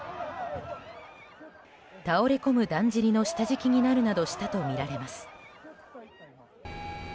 倒れ込むだんじりの下敷きになるなどしたとみられます。